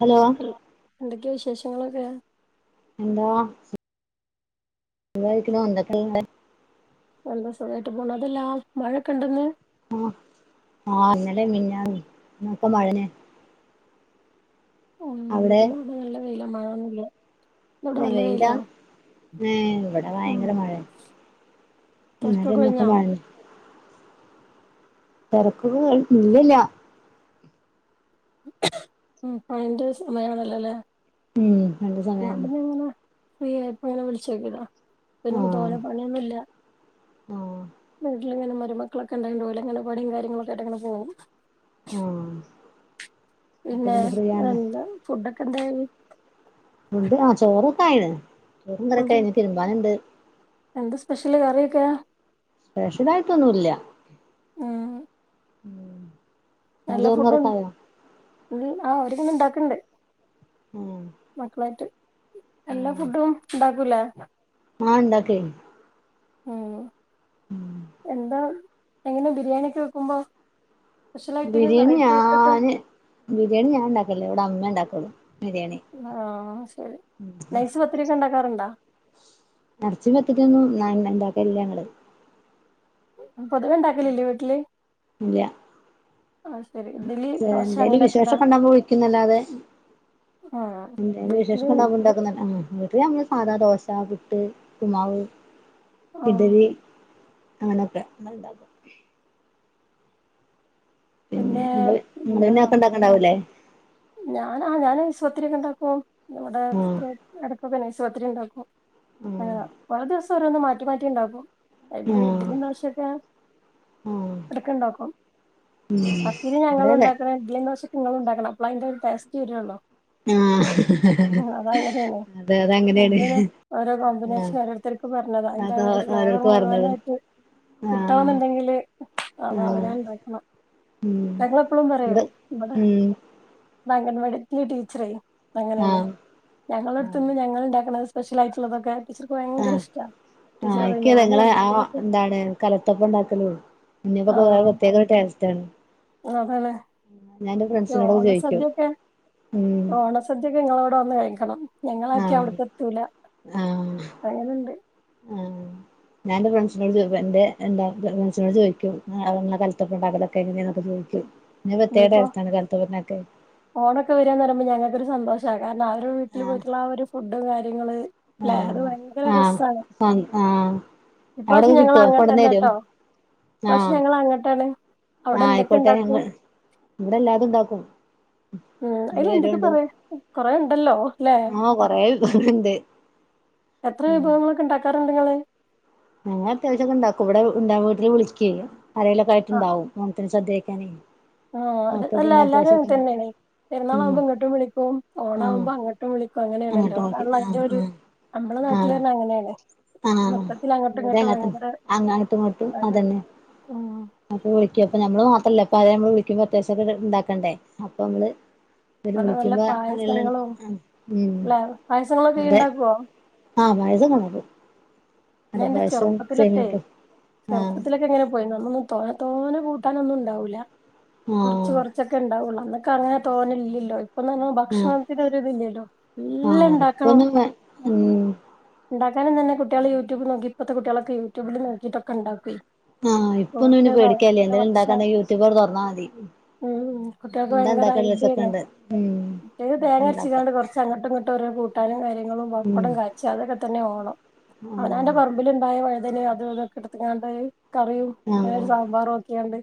Hello എന്തൊക്കെയാ വിശേഷങ്ങളൊക്കെ എന്താ ഇക്കണ ആന്ത ക എന്തസുഖായിട്ട് പോണം അതെല്ലാ മഴക്കെണ്ട്ന്ന് ആ ആഹ് ഇന്നലേ മെനഞാന്ന് എന്നൊക്കെ മഴന് ഉം ഇ അത നല്ല വല്ല മഴന്നല്ല വെയതാ ഏർ ഇവിടെ ഉം ഭയങ്കര മഴയാ തെരക്കൊക്കെ എന്നാലൊക്കെ ഒഴിഞ്ഞോ മാ തെരക്കൊക ഇല്ലില്ല ഉം പണിന്റെ സമയണല്ലല്ലേ ഉം രണ്ട് സമയാണ് ഫ്രീയായപ്പ ഇങ്ങനെ വിളിച്ചേക്കടാ എനിക്ക് ആഹ് തോന്ന പണിയൊന്നുല്ല ആഹ് വീട്ടിലിങ്ങനെ മരുമക്കളൊക്കെ ഉണ്ടാക്കെണ്ട പോയില്ലേ ഇങ്ങനെ പണിയും കാര്യങ്ങളൊക്കെ ആയിട്ടിങ്ങെ പോകും ആഹ് അപ്പൊ പിന്നെ ഫ്രീ ആണല്ലേ ന്താ ഫുഡക്കെ ന്താണ് ഫുഡ്‌ ആ ചോറൊക്കായിന് ചോറും കറിയകായിന് തിരുമ്പാന് ണ്ട് എന്ത സ്‌പെഷല് കറിക്ക സ്‌പെഷലായിട്ടൊന്നുല്യ ഉം ഇങ്ങളെ നല്ല ചോറും ഫുഡും കറിയൊക്കെ ആയോ ആ ഒരു വിതണ്ടാക്ക്ണ്ട്. ഉം മക്കളായിട്ട് എല്ലാ ഫുഡും ഉണ്ടാകൂലെ? ആ ഇണ്ടാക്കെയ് ആ എന്താ എങ്ങനെ ബിരിയാണിക്കെ വെക്കുമ്പോ? സ്പെഷ്യലായിട്ട് ബിരിയാണി വെറൈറ്റി ആയിട്ടൊക്കെ ഞാന് ബിരിയാണി ഞാന് ഉണ്ടാകലില്ല. ഇവിടെ അമ്മേ ണ്ടാക്കല്. അ ആ സോറി നൈസ് പത്തിരിക്കെ ഉണ്ടാകാറുണ്ടോ? ഇറച്ചി പത്തിരി ഒന്നും ന ഉണ്ടാകാലില്ല ഞങ്ങള് പൊതുവെ ഉണ്ടാകലില്ലേ വീട്ടില്. ആഹ് ശരി ഇഡ്ഡലി ചെ ദോശ എന്തേലും അങ്ങനെയൊക്കെല്ലേ വിശേഷക്കെ ഉണ്ടാവുമ്പ വിളിക്കുന്നല്ലാതെ. ആഹ് എന്തേലും വിശേഷക്കോ വീട്ടില് ഉണ്ടാവുമ്പ വെക്കുന്നല്ലാതെ. ഇവിടെ ങ്ങൾ സാധാ ദോശ, പിട്ട്. ഉപ്പുമാവ്, ആഹ് ഇഡലി. അങ്ങനൊക്കെ ഇങ്ങള് ഉണ്ടാകൂ. പിന്നെ ന്ത് എന്താ നിങ്ങൾ അതൊക്കെ [unintelligible] ഞാനാ ഞാൻ നൈസ് പത്തിരിക്കെ ണ്ടാകും. ഇവിടെ ആഹ് ഇടകക്കോ നൈസ് പത്തിരിക്കെ ഉണ്ടാകും. ആഹ് ങ്ങാ ഓരോ ദിവസം ഓരോ മാറ്റി മാറ്റി ണ്ടാകും. ഇഡലി, ആഹ് ദോശക്കെ ആഹ് ഇടക്ക്ണ്ടാകും പത്തിരി ഇവിടെ അതെ ഞങ്ങളുണ്ടാകും ഇഡലി ദോശ ങ്ങളുണ്ടാക്കണം അപ്പളാ അയിന്റെരു ടേസ്റ്റ് വരുള്ളൂ ആഹ് അതാ ങ്ങനേണ്. അതെ അതങ്ങനെയാണ് എന്തിനു ഓരോ ആഹ് കൊമ്പനീഷൻ ഓരോരുത്തരക്ക് പറഞ്ഞതാ അയിന്റെ അത് ഓരോ ഫ്ലെവര് ഓരോർക്ക് പറഞ്ഞത് മുഴുവനായിട്ട്. കിട്ടോ ആഹ് ന്ന് ണ്ടങ്കിൽ അത് ആഹ് അവനാൻ ഉണ്ടാകണം. ഉം ഞങ്ങളെപ്പളും ഇവിടെ പറിംഴും ഇവിടെ ഉം ഇവിടെ അംഗലവാടി ടീച്ചർ അങ്ങനെണ് ആഹ് ഞങ്ങളെടുത്തിന്. ഞങ്ങൾ ണ്ടാക്കണത് സ് പെശാലയിട്ട്ഉള്ളതൊക്കെ. ആ ഇക്ക അത് ഞാനും ആ എന്തെങ്കിലുമൊക്കെ കലത്തപ്പം ണ്ടാകലും. ഉണ്ണിയപ്പൊക്കെ ഒരു പ്രതീക ടെസ്റ്റാണ്. ഓ അതണ് ഫ്രണ്ട്സിനോടൊക്കെ ഓണ ചോദിക്കും സദ്യക്കെ. ഉം ഓണ സദ്യക്കെ ങ്ങളോടാ വന്ന് കഴിക്കണം. ഞങ്ങളൊക്കെ ആഹ് അവിടക്കെ ത്തൂല ആഹ് അങ്ങനണ്ട്. ഞാന് എന്റെ ഫ്രണ്ട്സിനോട് എന്റെ ഫ്രണ്ട്സിനോട് ചോയിക്കും. എങ്ങനാ കലത്തപ്പം ണ്ടാകലൊക്കെ എങ്ങനെ ചോയിക്കും. ഇത് പ്രതേക ടെസ്റ്റാണ് കലത്തപ്പം ണ്ടാക്കിയാൽ. ഓണക്ക വരാന്നറിയുമ്പല് ഞങ്ങക്ക് ഒരു സന്തോഷകാരണ അവരുടെ വീട്ടില് ആഹ് പോയിട്ടുള്ള ഫുഡ്‌ കാര്യങ്ങള്. ങേ ആഹ് അത് ഭയങ്കര ആഹ് രസാണ്. ആഹ് ആഹ് അവിടൊക്കെ ഇപ്രാവശ്യം ഞങ്ങൾ കിട്ടുവോ കൊണ്ടന്നരും അങ്ങട്ടന്നേട്ടോ? ഇപ്രാവശ്യം ഞങ്ങൾ അങ്ങട്ടാണ്. അവിടെ ആ എന്തൊക്കെ ആയ്കോട്ടെ ഇണ്ടാക്കും ങ്ങൾ ഇവിടെ എല്ലാതും ഉണ്ടാകും. ഉം അയിന് എന്തൊക്കെ പറയ കൊറേ ഉണ്ടല്ലോ? ല്ലേ ആഹ് കൊറേ വിഭവണ്ട് എത്ര ഉം വിഭവങ്ങളൊക്കെ ണ്ടാകാറുണ്ട് ങ്ങള്. ഞങ്ങൾ അത്യവാസിക്കെ ണ്ടാകും. ഇവിടെ എല്ലാ വീട്ടിലും വിളിക്കെ ആരെലയിട്ട് ഉണ്ടാകും. സദ്യ കഴിക്കാന്. ഓ ഇതൊക്കെ എല്ലാരും അങ്ങനെ തന്നെണ്. ഉം പെരുന്നാളവുബം ഇങ്ങട്ടും വിളിക്കും. ആഹ് ഓണാവുമ്പം അങ്ങട്ടും വിളിക്കും. അങ്ങോട്ട് അങ്ങനെണല്ലോ നോക്കി അതാണല്ലോ ആഹ് അയിന്റേത്. ഞമ്മളെ ആഹ് നാട്ടിലൊക്കെ അങ്ങിനെണ്. ആഹ് ആഹ് മൊത്തത്തില് ഇവിടെ ഇങ്ങട്ടും അങ്ങനെതന്നെ ഭയങ്കര അങ്ങട്ടും ഇങ്ങട്ടും ഇതാണ് അതെന്നെ ഉം അപ്പൊ വിളിക്കും. അപ്പോൾ നമ്മൾ നമ്മള് മാത്രല്ല അപ്പ ആരേലൊക്കെ വിളിക്കുമ്പം അത്തിവസം ഇണ്ടാക്കണ്ടേ അപ്പ നമ്മള് ഇര് നല്ല നല്ല വിളിക്കുമ്പോ അങ്ങെയുള്ള പായസങ്ങളും ഉ ല്ലെ പായസങ്ങളൊക്കെ ഇയ്യ് അതെ. ഇണ്ടാക്കോ ആഹ് വഴത കണക് എൻന്റെ ചെറുപ്പത്തിലൊക്കെ ആഹ് ചെറുപ്പത്തിലൊക്കെ എങ്ങനെ പോയിന് തോനെ തോനെ കൂട്ടാനൊന്നും ഉണ്ടാവില്ല കുറച്ച് ആഹ് കൊറച്ചൊക്കെ ഉണ്ടാവൂള്ള ആന് [unintelligible] അങ്ങനെ തോന്നില്ലല്ലോ ഇപ്പൊ [unintelligible] ആഹ് ഭക്ഷണത്തിന് ഒരിത് ല്ല്യല്ലോ എല്ലാം ആഹ് ഇണ്ടാക്കണം ഇപ്പൊന്നും വേ ഉം ഇണ്ടാക്കാനും തന്നെ കുട്ടികള് യൂട്യൂബ് നോക്കി ഇപ്പത്തെ കുട്ടിയോളെക്കെ യൂട്യൂബില് നോക്കിട്ടൊക്കെ ഇണ്ടാക്കൊയ് ആഹ് ഇപ്പൊന്നും ഇഞ് പേടിക്കാല്യ എന്തേലും വശാ ഇണ്ടാക്കണ്ടെങ്കി യൂട്യൂബാട് തുറന്നാ മതി ഉം കുട്ടികൾക്ക് എന്താ ഭയങ്കര ഐഡിയല്ലേ ഇണ്ടാക്കാല്ലേച്ചൊക്കെണ്ട് ഉം [unintelligible] തേങ്ങ ഇണ്ടാക്കാ അരച്ച്ങ്ങാണ്ട് കൊറച്ച് അങ്ങട്ടും ഇങ്ങട്ടോരോ കൂ ട്ടാനും കാര്യങ്ങളും ഉം പപ്പടും കാച്ച അതൊക്കെ തന്നെ ഓണം ആഹ് അവനാന്റെ പറമ്പില് ഇണ്ടായ വഴ് തനിം അതു ഇതൊക്കെ ഇട്ത്ത്ങ്ങാണ്ട് കറിയും ആഹ് [unintelligible] സാമ്പാറും ആക്കിയാണ്ട്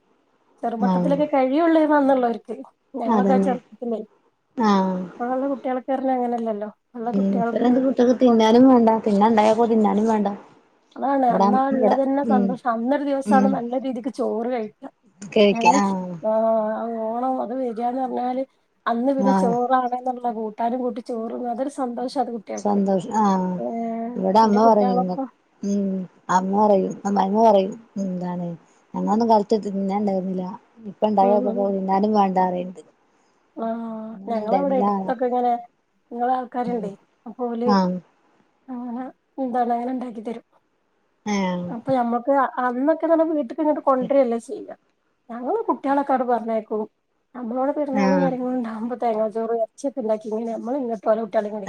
ആഹ് ചെറുമട്ടത്തിലൊക്കെ കഴിയൊള്ളേന്നു അന്ന്ള്ളോർക്ക് ഞങ്ങളൊക്കെ അതന്നെ ചെറുപ്പത്തിലെയ് ആഹ് ഇപ്പക്കള്ള കുട്ടിയോളെക്കെ ർഞ്ഞ അങ്ങനെല്ലല്ലോ ഇപ്പള്ള ഉം കുട്ടികൾക്ക് ഇപ്പഴെന്ത് കുട്ട്യേക്ക് തിന്നാനും വേണ്ട പിന്നെ ഉണ്ടായപ്പോ തിന്നാനും വേണ്ട അതാണ് ഇവടെ അന്നാ ഇവടെ ഇളളതന്നെ ഉം സന്തോഷം അന്നൊരു ദിവസാണ് ഉം നല്ല രീതിക്ക് ചോറ് കഴിക്ക കഴിക്കാ ഞങ്ങള് ആഹ് ആ ഓണം അത് വരാന്ന് പറഞ്ഞാല് അന്ന് പിന്നെ ആഹ് ചോറാണേന്ന് ഇള്ള കൂട്ടാനും കൂട്ടി ചോറ്ന്നും അതൊരു സന്തോഷ [unintelligible] കുട്ടിയേൾക്ക് സന്തോഷം ആഹ് ഏ ഇവിടെ അമ്മ ഇന്റെ പറയും ഇങ്ങ കുട്ടികളെപ്പ ഉം അമ്മ പറയും അമ്മായ്മ പറയും എന്താണ് ഞങ്ങളന്നും കാലത്ത് തിന്നാൻ ഇണ്ടായിര്ന്നില ഇപ്പ ഉം ഉം ഇണ്ടായോക്കുമ്പൊ തിന്നാനും വേണ്ടാറിണ്ട് ആഹ് ഞങ്ങളവിടെ എടുത്തൊക്കെ ഇങ്ങനെ ഇങ്ങളെ ആൾക്കാര്ണ്ടേയ് അപ്പോല് ആഹ് ആഹ എന്താണ് [unintelligible] ഇണ്ടാക്കി തരും ആഹ് അപ്പൊ ഞമ്മക്ക് അന്നൊക്കെ ന്നറഞ്ഞ വീട്ട്ക്ക് ഇങ്ങട്ട് കൊണ്ട്രാല്ലോ ചെയ്യ ഞങ്ങള് കുട്ടികളെക്കാട് പറഞ്ഞയക്കും നമ്മളോടെ പെരുന്നാളും ആഹ് കാര്യങ്ങളും ഇണ്ടാവുമ്പോ തേങ്ങാ ചോറ് എർച്ചി ഒക്കെ ഇണ്ടാക്കി ഇങ്ങനെ നമ്മള്ങ്ങ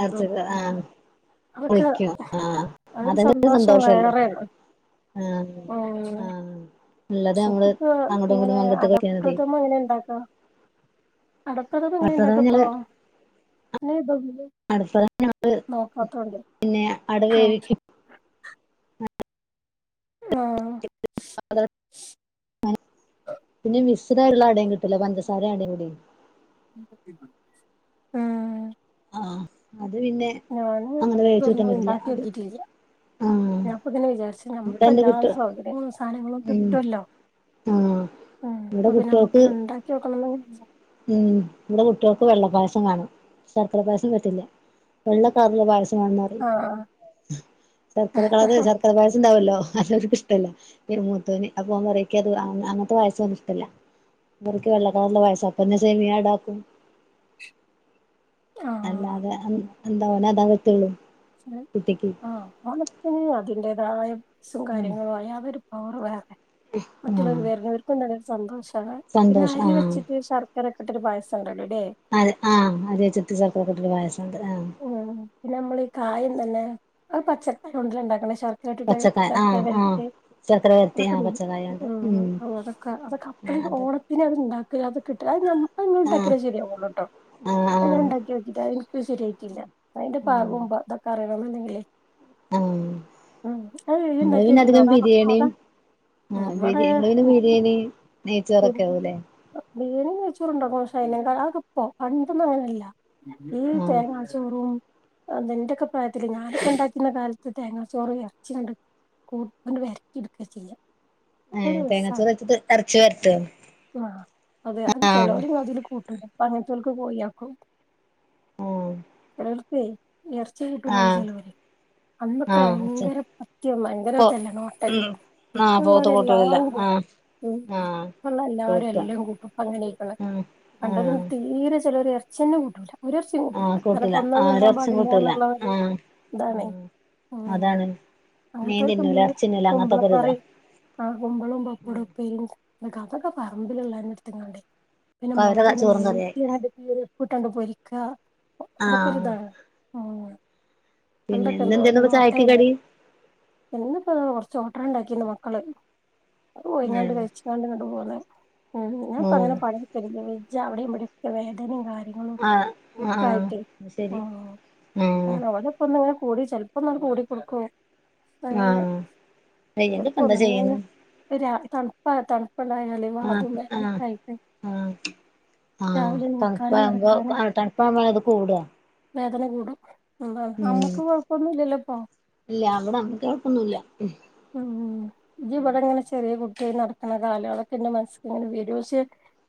അട്ത്തത് ആഹ് അതൊക്കെ വിളിക്കും ആ അതൊരു അതന്നെ സന്തോഷം സന്തോഷല്ലേ വേറേണ് ആ ഉം ആ തുള്ളത് നമ്മള് ഇൻക്കിപ്പോ അങ്ങടും ഇങ്ങടും ഇങ്ങനെ പങ്കിട്ട് ക [unintelligible] അടപ്രഥമൻ അടപ്രദമം എങ്ങനെ ഇണ്ടാക്ക അപ്പോ അടുത്തത് [unintelligible] നോക്കാത്തോണ്ട് അട ആ വേവിക്കും ആഹ് [unintelligible] പിന്നെ വിസ് [unintelligible] അടേം കിട്ടില്ല പഞ്ചസാരിം അടേം കൂടി ഉം ആ അത് പിന്നെ ഞാന് അങ്ങനെ വേവിച്ചു കൂട്ടാൻ പറ്റല്ല അത് ആഹ് ഞാപ്പ ഇങ്ങനെ വിചാരിച്ചു ഇവിടെ നമ്മക്ക് എന്റെ എല്ലാ കുട്ടി സൗകര്യങ്ങളും സാധനങ്ങളും ഉം കിട്ടൊല്ലോ ആഹ് ഉം ഇവിടെ അപ്പൊ പിന്നെ കുട്ടികൾക്ക് നമുക്കൊന്ന് ഇണ്ടാക്കിയോക്കാനൊന്നും വെജ്ജ ഉം ഇൻ്റെ കുട്യോൾക്ക് വെള്ളപ്പായസം വേണം ശർക്കര പായസം പറ്റില്ല വെള്ളക്കളർല പായസം വാണ ന്നറിം ആഹ് ശർക്കര കള് ശർക്കര പായസണ്ടാവല്ലോ ഓ അതോര്ക്ക് ഇഷ്ടല്ല ഈ മൂത്തോന് അപ്പൊ ഓൻ പറിം ഇക്ക്അത് അങ്ങനത്തെ പായസോന് ഇഷ്ടല്ല ഇവർക്ക് വെള്ളക്കളറുള്ള പായസാ അപ്പൊന്നെ സെമിയാടാക്കും അല്ലാതെ ആഹ് ഉം എന്താ ഓനതാ പറ്റൊള്ളൂ ആ ഓണത്തിന് അതിൻ്റെതായ [unintelligible] കാര്യങ്ങളും അയ അതൊരു പൗറ് വേറെ മറ്റുള്ളോര് ആഹ് വെര്ന്നോര്ക്കും തന്നെ സന്തോഷാ [unintelligible] പിന്നെ സന്തോഷം അരി വെച്ചിട്ട് ശർ ക്കരക്കെട്ടിട്ട് പായസം ഇണ്ടാ അതെ ആ അരി വെച്ചിട്ട് സർക്കരക്കെ ഇട്ടിട്ട് പായസ ഉം പിന്നെ നമ്മൾ ഈ കായം തന്നെ അത് പച്ചക്കായോണ്ടല്ലേ ഇണ്ടാക്ക്ണ് ശർ ക്കരട്ട്ട്ട് പച്ചക്കായ ശർക്കര ആഹ് വെ ആഹ് [unintelligible] ശർക്കര വരട്ടി അതൊക്കെ ആഹ് [unintelligible] പച്ചക്കായുണ്ട് ഉം അതൊക്കെ അതൊക്കെപ്പ [unintelligible] അത് ഓണത്തിന് അത്ണ്ടാ ക്ക് അതക്കെട്ട് അത് ഞ അത് ആഹ് ഇങ്ങളണ്ടാക്കിയാലേ ശരിയാവൊള്ളൂ ട്ടോ ആഹ് അത് ആഹ് ഞാണ്ടാക്ക്യോക്കീട്ട് അത് ഇൻക്ക് ശരിയാ ട്ടില്ല അതിന്റെ ഉം പാകും മ്പൊ ഇതൊക്കെ അറിയണംന്ന്ണ്ടെങ്കിലേ ആഹ് ഉം അ എന്താക്കിതി അധികം അതാ ബിരിയാണിയും ആ ഇവിടെ വിരി നിങ്ങ പിന്നെ ബിരി നെയ്ച്ചാറൊക്കെ ആവുല്ലേ ബിരിയാണി നെയ്ച്ചോറണ്ടോ ക്ഷെ അയ്നെ അത് ഇപ്പോ പണ്ടൊന്നും അങ്ങനെല്ല ഈ ആഹ് തേങ്ങാ ചോറും അതന്റെകെ പ്രായത്തില് ഞാനൊക്കെ ഉണ്ടാക്കുന്ന കാലത്ത് തേങ്ങാ ചോറ് എറച്ചി ണ്ടും കൂട്ടൻ വരക്കി ഇട്ക്ക ചെയ്യാ ഹ് തേങ്ങാച്ചൂറ് വെച്ചട്ട ഇറച്ചു വര ആ അതെ അത് ആഹ് ചിലവർ അതിൽ പഞ്ഞ ചുൽക്ക് പോയി ആക്കോ ഓഹ് തച്ചയ ഉർച്ചയായിട്ടല്ലല്ലോ ചിലവര് അന്നോക്കെ ആഹ് അച്ച ഭയങ്കര പത്യ ഭയങ്കര പോ ഇതല്ല നോട്ടല് ഉം ആഹ് പോത്ത് ഇപ്പള്ളവരെല്ലാ കൂട്ടൂലല്ലോ ഉ ആഹ് ആഹ് എല്ലാരും കൂട്ടാ എല്ലാം കൂട്ടും ഇപ്പോ അങ്ങനെയക്കാണ് ആഹ് പണ്ട് തീരെ ചിലോര് എറച്ചി ചെന്നെ കൂട്ടൂല ഒരെറച്ചിം കൂട്ടൂല ആഹ കാരണം കൂട്ടില്ല ആ കൊന്നത് ഒര് തിന്നാൻ എറച്ചിം കൂട്ടൂല പാടില്ലാന്ന്ള്ള ഒരു ആഹ ഇതാണേ ഉം അതാണ് മീൻ അങ്ങൻത്തോരൊക്കെ തിന്നൂല നമ്മള് എറച്ചിതിന്നൂല അങ്ങനത്തൊക്കെ കുമ്പളം ഒര് ഇതാ കറി ആഹ് കുമ്പളോം പപ്പടം ഉപ്പേരി കഥൊക്കെ പറമ്പിലുള്ളതിടുത്ത്ങ്ങാണ്ട പിന്നെ അപ്പൊ മുളക അവരെ അങ്ങട്ട് ചോറും കറിയായി നീട്ടി ഇട്ടണ്ട് പൊരിക്ക അതൊക്കെ ഒര് ആഹ് ഇതാണ് ഉ പിന്നെ പണ്ടൊക്കെ എന്തോരം ഇന്നെന്തേന്നുപ്പ ചായക്ക് നോട്ടർന്ന് കടി ഇന്നിപതാ കുറച്ച് ണ്ടാക്കിന്ന് മക്കള് ഓ ഇങ്ങോ ഏഹ് കഴ ഞാൻ ഇപ്പൊ അങ്ങനെ ആഹ് പണി ഇട്ക്കൽ ഇല്ല വജ്ജാ അവിടേം ഇവിടെ ഒക്കെ വേദനേം കാര്യം ങ്ങളും ആഹ് ഒക്കെ ആഹ് ആയിട്ടേ അത് ശരി ആഹ് അങ്ങനെ ഓലെപ്പം ങ്ങനെ കൂടി ചെലപ്പോ ഒന്ന് അങ്ങട്ട് കൂടിക്കൊടുക്കും അങ്ങനെ ആഹ് വെയ്യെങ്കിപ്പെന്താ ചെയ്യ്ണ് തണുപ്പാ തണുപ്പ പണായി വദൂ മ കായിപ്പ ആഹ തണുപ്പാവുമ്പോ തണുപ്പ ആവുമ്പോ അത് കൂടവാ വേദന കൂടും അതാണ് അമ്മക്ക് കൊഴപ്പൊന്നുംല്ലല്ലോ ഇപ്പ ഒന്നുമില്ല ഉം ഇ ജി ഇവിടെ ഇങ്ങനെ ചെറിയ കുട്ടി നടക്കുന്ന കാലങ്ങളൊക്കെ എന്റെ മനസ്സിക്ക് ഇങ്ങനെ വരും പക്ഷേ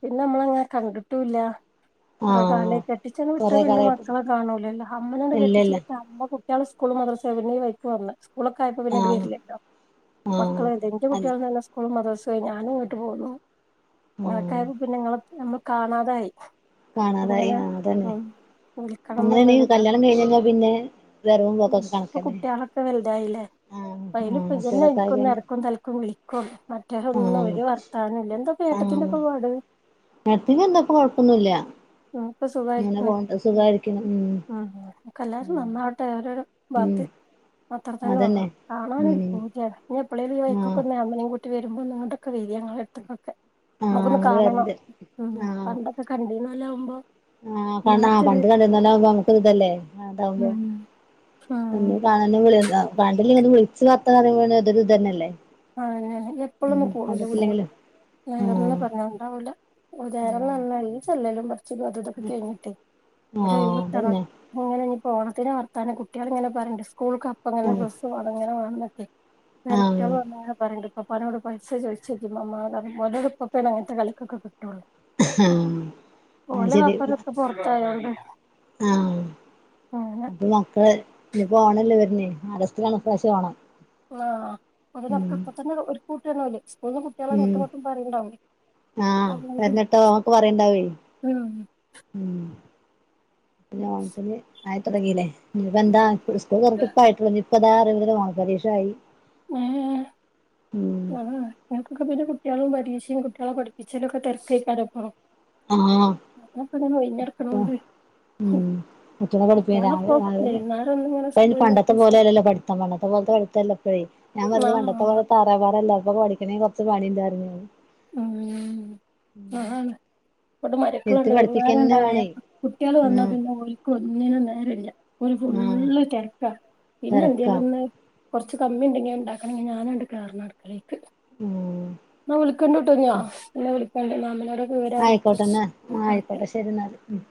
പിന്നെ നമ്മളങ്ങനെ കണ്ടിട്ടും ഇല്ല കൊറെ ആഹ് കാല കെട്ടിച്ചണ് വിട്ട കൊറേ പിന്നെ കാലായിട്ട് മക്കളെ കാണലോല്ലോ അമ്മനന്ന് കെട്ടിച്ചു ഇല്ലല്ല വിട്ട അമ്മ ഇയാൾ സ്കൂള് മദ്രസേ പിന്നെ വൈക്ക് വന്ന് സ്കൂളൊക്ക ആയപ്പോ പിന്നീട് ആഹ് വരില്ലോ ആഹ് മക്കള എന്റെ അല്ല കുട്ട്ട്യാളും തന്നെ സ്കൂളും മദ്രസേം ആയി ഞാനും ഇങ്ങീട്ട് പോകുന്നു ആഹ് ങ്ങക്ക പിന്നെങ്ങ നമ്മൾ കാണാതായി കാണാതായി അങ്ങനെ ആ അതന്നെ ഉം വിളിക്കണം അങ്ങനെയണെ എന്നുള്ളൊരിതാ കല്യാണം കഴിഞ്ഞ്പ പിന്നെ വരവും പോക്കൊക്കെ കണക്കന്നെ ആഹ് ഇപ്പയിൽ ആഹ് പിന്നെ ജി ന്നെ കുട്ടികളൊക്കെ ഇന്കി ആയി ഒര് കഴിഞ്ഞ എടക്കും തലക്കും വിളിക്കൊള്ളൂ മറ്റേൊരൊന്നും ആഹ് ഒരു വർത്താനം ഇല്ല എന്താ ഇപ്പൊ ഏട്ടത്തിന്റെ ഒക്കെ പാട് ഉ ഏടത്തിക്കു ന്താ ഇപ്പൊ കൊഴപ്പൊന്നുംല്ല നങ്ങക്ക് ഉം സുഖമായിരിക്കുന്നക്ക് എല്ലാരും ഉം നന്നാവട്ടെ അവരോ ഉം ബത്തി അത്ര തല്ലേ ഉള്ളു അതന്നെ കാണാനൊരു ഉം പൂതിയാണ് ഇനി എപ്പഴേലും ഈ ആഹ് വഴിക്കൊക്കെ അമ്മേനേം കൂട്ടി ട്ടി വരുമ്പൾ ഇങ്ങോട്ടൊക്കെ വരി ഞങളെടുത്തു ഒക്കെ ആഹ് നമുക്കൊന്ന് ഞങ്ങള് കാണണം വരണ്ട് ഉം പണ്ടൊക്കെ കണ്ടീന്നോലാകുംമ്പോ ആ പണ്ടാ പണ്ട് കണ്ടിന്നോലകുമ്പോൾ നമ്മുക്ക് ഒര് ഇതല്ലേ ആ ഇതാവുമ്പോ ഉം ആഹ് ഒന്നും [unintelligible] കണ്ടില്ല വിളിച്ച് വർത്താനം പറയുമ്പോ പിന്നെ അത് ഒരു ഇത് തന്നെ അല്ലേ ആനേ എപ്പോഴൊന്നും പോണില്ല പോ നേരംന്നും ആഹ് പറഞ്ഞണ്ടാവൂല്ല ഉദാരം ആഹ് നല്ലല്ല ചെല്ലലും പറ ഇതും അതൊക്കെ കഴിഞ്ഞിട്ട് ആഹ് [unintelligible] അതന്നെ അങ്ങനെ ഓണത്തിന് വർത്താനം കുട്ടികളിങ്ങനെ പറണ്ട് സ്കൂൾ കപ്പ് അങ്ങനെ ആഹ് ഡ്രസ്സ് വണംങ്ങനൊണന്നൊക്കെ ആഹ് പറണ്ട് പപ്പാനോട് പൈസ ചോദിച്ചിരിക്കും മമ്മാനോടുപ്പാണ് അതുപോലെ അങ്ങൻത്തെ കളിക്കൊക്കെ കിട്ടാ [unintelligible] ആഹ് അത് ഓലെ ശരി വപ്പാരൊക്കെ പുറത്തായോണ്ട് ആഹ് അപ്പൊ മക്കള് ഇനി പോണ ല്ലേ വരുന്ന് ആഗസ്റ്റിലാണ് ഇപ്രാവശ്യം ഓണം ആഹ് അതിലൊക്കെ ഉം അപ്പ തന്നെ ഒര്കൂട്ടിയണാവല്ലേ സ്കൂളിന്ന് ഉം കുട്ടികളെട്ട മട്ടും പറയണ്ടാവും ആഹ് എന്നിട്ടോ നമ്മുക്ക് പറയണ്ടാവേ ഉം ഉം പിന്നെ ഓണത്തിന് ആയി തുടങ്ങില്ലേ ഞ്ഞ് പെന്താ സ്കൂള് തുറന്നിട്ട് ഇപ്പൊ ആയിട്ടുള്ളൂ ഇഞ്ഞ്പ്പത ഓണ പരീക്ഷ ആയി ഉം ഉം ആഹ് നിങ്ങക്കൊക്കെ പിന്നെ കുട്ട്യാളും പരീക്ഷിം കുട്ട്യാളെ പഠിപ്പിച്ചാലും ഒക്കെ തിരക്കേക്കാരം ആഹ് ഞങ്ങൾ ഇപ്പൊ ഇതാ ഒഴിഞ്ഞ് കെടക്കണോണ്ട് ഉം മറ്റുള്ള പഠിപ്പിക്ക രാവിലെ ഒന്നിങ്ങനെ പന് [unintelligible] സ്കൂളില്ലാത്ത പണ്ടത്തെ ദിവസം പോലെയല്ലല്ലോ പഠിത്തം പണ്ടത്തെ പോലത്തെ പഠിത്തല്ല ഇപ്പഴേ ഞാൻ വന്ന് പണ്ടത്തെ ആഹ് പോലെ തറ പറ അല്ല അപ്പൊ പഠിക്കണെ കൊറച്ച് പണിണ്ട് പറഞ്ഞ് ഉം അതാണ് ഇവിടെ മരുമക്കളുണ്ട് വൈകുന്നേരണ്ടായ കുട്ടികൾ വന്നാ ഉം പിന്നെ ഓൽക്ക് ഒന്നിനും നേരല്ല ഓല് ഫുൾ ആഹ് ഫുള്ള് തെരക്കാ പിന്നെ തെരക്കാ എന്തേലൊന്ന് കുറച്ച് കമ്മി ഉണ്ടെങ്കി ഉണ്ടാക്കണെങ്കിൽ ഞാനണ്ട് കേറണം അടുക്കളയിലേക്ക് ഉം ന്ന ഓൽക്ക് ളിക്കണ്ടട്ട കുഞ്ഞോ പിന്നെ വിളിക്കണ്ട മാമിനോട് ആയിക്കോട്ടെന്നാ ആ ആയിക്കോട്ടെ ശരി ന്നാല് ഉം